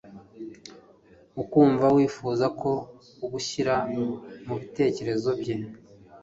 ukumva wifuza ko agushyira mu bitekerezo bye